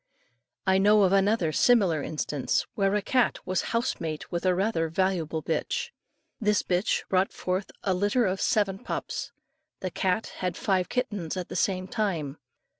I know of another similar instance, where a cat was house mate with a rather valuable bitch; this bitch brought forth a litter of seven pups. The cat had five kittens at the same time.